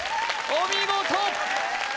お見事！